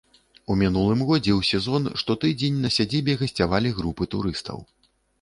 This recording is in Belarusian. У мінулым годзе ў сезон штотыдзень на сядзібе гасцявалі групы турыстаў.